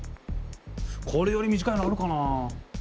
これより短いのあるかな？